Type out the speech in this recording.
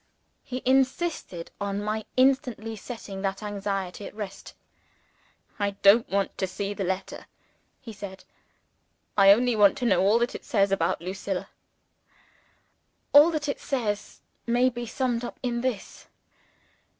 He insisted on my instantly setting that anxiety at rest. "I don't want to see the letter," he said. "I only want to know all that it says about Lucilla." "All that it says may be summed up in this.